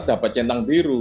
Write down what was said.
dapat centang biru